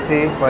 kasih ya sayang